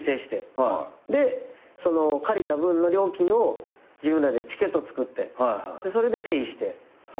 で借りた分の料金を自分らでチケットつくってそれでペイして。